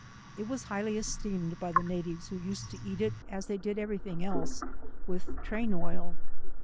It was highly esteemed by the natives who used to eat it as they did every thing else with train oil.